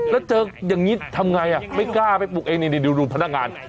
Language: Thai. แล้วเจออย่างนี้ทำไงไม่กล้าไปปลุกเองนี่ดูพนักงาน